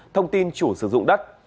thông tin chủ sử dụng đất